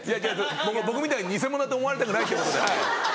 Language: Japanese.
僕みたいに偽物だと思われたくないってことではい。